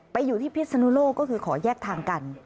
ไปอยู่ที่พิษนุโลกก็คือขอแยกทางกัน